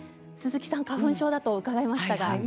鈴木さんは花粉症だと伺いましたが。